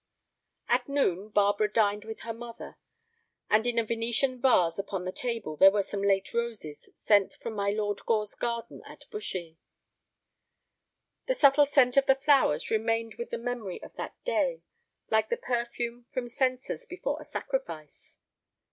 At noon Barbara dined with her mother, and in a Venetian vase upon the table there were some late roses sent from my Lord Gore's garden at Bushy. The subtle scent of the flowers remained with the memory of that day like the perfume from censers before a sacrifice.